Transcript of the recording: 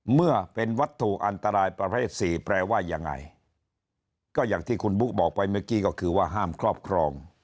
เมื่อเป็นวัตถุอันตรายประเภทสี่แปลว่ายังไงก็อย่างที่คุณบุ๊คบอกไปเมื่อกี้ก็คือว่าห้ามครอบครอง